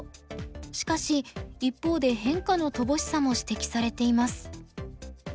しかし一方で変化の乏しさも指摘されています。